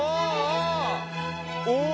お！